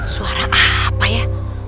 suara apa ya